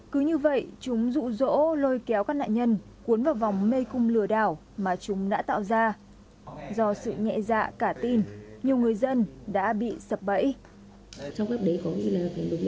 cứ như vậy chúng rụ rỗ lôi kéo các nạn nhân cuốn vào vòng mê cung lừa đảo mà chúng đã tạo ra